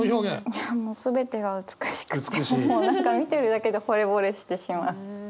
いやもう全てが美しくってもう何か見てるだけでほれぼれしてしまう。